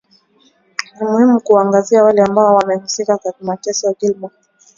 ni muhimu kuwaangazia wale ambao wamehusika na mateso Gilmore alisema katika mkutano na wanahabari